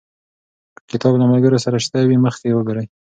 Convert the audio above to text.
که کتاب له ملګرو سره شته وي، مخکې یې وګورئ.